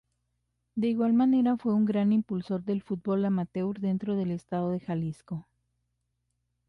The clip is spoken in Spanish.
De igual manera fue gran impulsor del fútbol amateur dentro del estado de Jalisco.